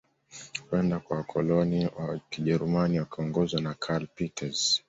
Kwenda kwa wakoloni wa kijerumani wakiongozwa na karl peters